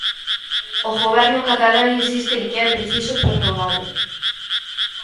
O Goberno catalán insiste en que é preciso prorrogalo.